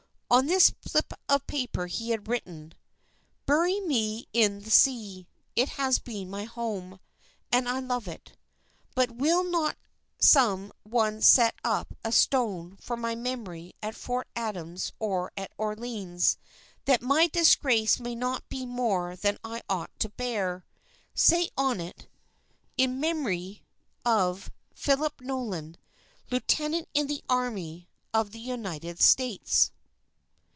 On this slip of paper he had written: "Bury me in the sea; it has been my home, and I love it. But will not some one set up a stone for my memory at Fort Adams or at Orleans, that my disgrace may not be more than I ought to bear? Say on it: 'In Memory of PHILIP NOLAN Lieutenant in the Army of the United States.